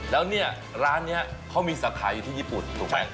แล้วเนี่ยร้านนี้เขามีสาขาอยู่ที่ญี่ปุ่นถูกไหม